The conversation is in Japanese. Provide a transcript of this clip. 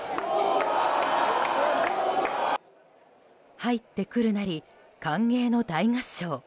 入ってくるなり歓迎の大合唱。